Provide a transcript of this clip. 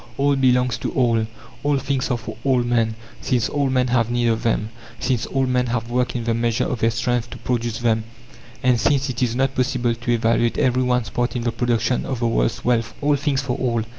All belongs to all. All things are for all men, since all men have need of them, since all men have worked in the measure of their strength to produce them, and since it is not possible to evaluate every one's part in the production of the world's wealth. All things for all.